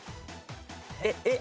えっえっ？